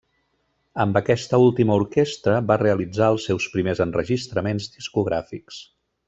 Amb aquesta última orquestra va realitzar els seus primers enregistraments discogràfics.